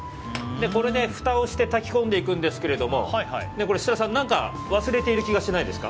これで、ふたをして炊き込んでいくんですけれども設楽さん、何か忘れている気がしませんか？